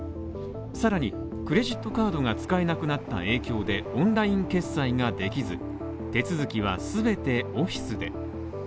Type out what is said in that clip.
更に、クレジットカードが使えなくなった影響でオンライン決済ができず、手続きは全てオフィスで。